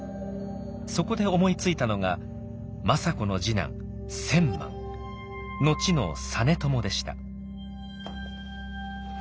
そこで思いついたのが政子の次男千幡後の実朝でした。